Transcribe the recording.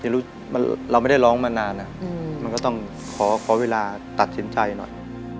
เราไม่ได้ร้องมานานมันก็ต้องขอเวลาตัดสินใจหน่อย